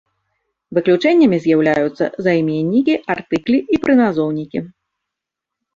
Выключэннямі з'яўляюцца займеннікі, артыклі і прыназоўнікі.